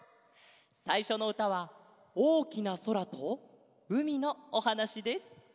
さいしょのうたはおおきなそらとうみのおはなしです。